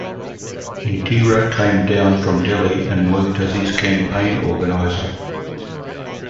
Indira came down from Delhi and worked as his campaign organizer.